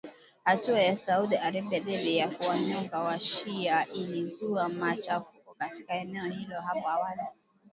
Hatua ya Saudi Arabia dhidi ya kuwanyonga washia ilizua machafuko katika eneo hilo hapo awali